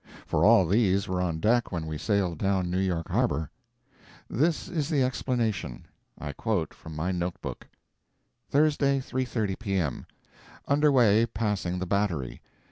for all these were on deck when we sailed down New York harbor. This is the explanation. I quote from my note book: Thursday, 3.30 P.M. Under way, passing the Battery.